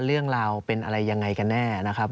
เรื่องราวเป็นอะไรยังไงกันแน่นะครับ